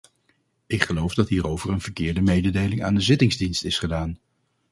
Ik geloof dat hierover een verkeerde mededeling aan de zittingsdienst is gedaan.